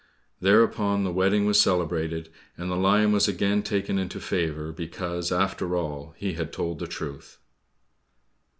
Thereupon the wedding was celebrated, and the lion was again taken into favour, because, after all, he had told the truth.